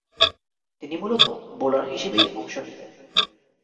তিনি মূলতঃ বোলার হিসেবেই অংশ নিতেন।